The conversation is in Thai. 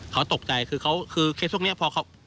เขาตกใจคือเขาคือเคสพวกนี้พอเขา